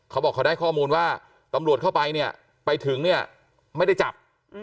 เขาบอกเขาได้ข้อมูลว่าตำรวจเข้าไปเนี่ยไปถึงเนี่ยไม่ได้จับ